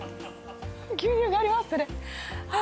牛乳がありますね